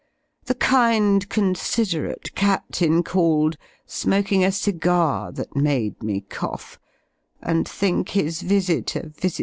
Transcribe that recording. The kind, considerate Captain called, smoking a cigar, that made me cough, and think his visit a visitation."